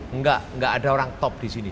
enggak enggak ada orang top di sini